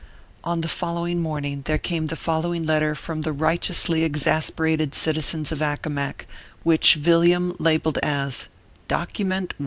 On the following morning there came the following letter from the righteously exasperated citizens of Accomac, which Yilliam labeled as DOCKYMENT I.